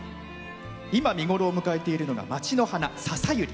今、見頃を迎えているのが町の花、ササユリ。